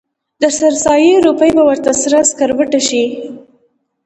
د سر سایې روپۍ به ورته سره سکروټه شي.